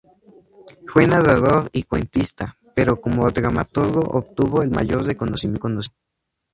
Fue narrador y cuentista, pero como dramaturgo obtuvo el mayor reconocimiento.